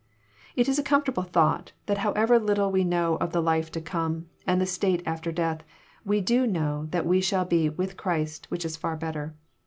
/ It Is a comfortable thought, that however little we know of the life to come and the state after death, we do know that we shall be " with Christ, which is far better."